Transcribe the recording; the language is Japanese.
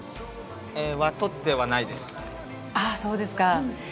そうですか。